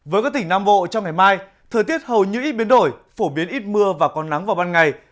với các tỉnh nam bộ trong ngày mai thời tiết hầu như ít biến đổi phổ biến ít mưa và còn nắng vào ban ngày